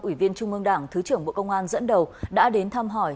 ủy viên trung ương đảng thứ trưởng bộ công an dẫn đầu đã đến thăm hỏi